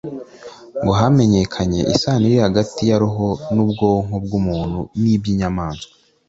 ngo hamenyakane isano iri hagati ya roho n’ubwonko bw’umuntu n’iby’inyamaswa